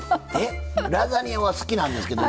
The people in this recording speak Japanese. ラザニアは好きなんですけど。